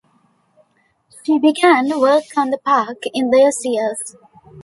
She began work on the park in those years.